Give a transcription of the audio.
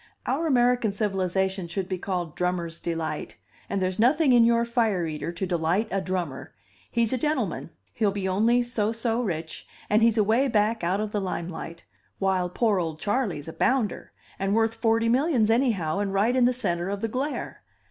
Our American civilization should be called Drummer's Delight and there's nothing in your fire eater to delight a drummer: he's a gentleman, he'll be only so so rich, and he's away back out of the lime light, while poor old Charley's a bounder, and worth forty millions anyhow, and right in the centre of the glare.